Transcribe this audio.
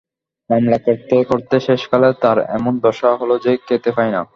মামলা করতে করতে শেষকালে তার এমন দশা হল যে খেতে পায় না।